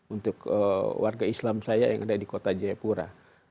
untuk warga islam saya yang ada di kota jayapura